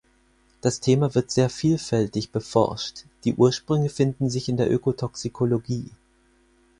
Das Thema wird sehr vielfältig beforscht, die Ursprünge finden sich in der Ökotoxikologie.